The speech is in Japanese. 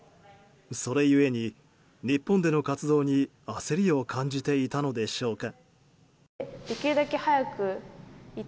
それゆえに、日本での活動に焦りを感じていたのでしょうか。